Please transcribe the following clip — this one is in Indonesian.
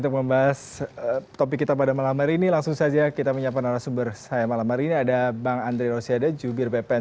pembelajaran yang lain